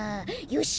よし！